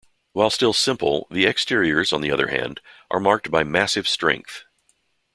While still simple, the exteriors on the other hand, are marked by massive strength.